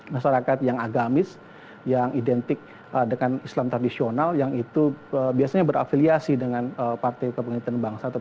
masyarakat yang agamis yang identik dengan islam tradisional yang itu biasanya berafiliasi dengan partai kepengen bangsa